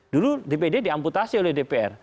dulu dpd diamputasi oleh dpr